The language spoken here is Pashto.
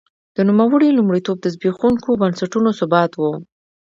د نوموړي لومړیتوب د زبېښونکو بنسټونو ثبات و.